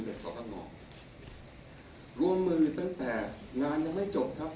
กับสถานการณ์ร่วมมือตั้งแต่งานยังไม่จบครับ